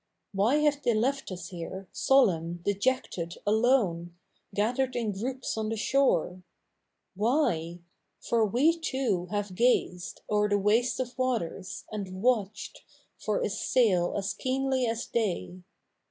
IVhy have they left iis here Solemn, dejected, alone, Gathered in groups on the shore ? IVhy ? For we, too, have gazed O^er the waste of waters, and watched For a sail as keenly as they.